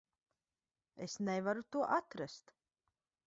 Es nevaru to atrast.